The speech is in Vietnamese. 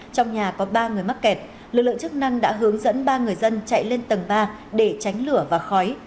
trong nhà có ba người mắc kẹt lực lượng chức năng đã hướng dẫn ba người dân chạy lên tầng ba để tránh lửa và khói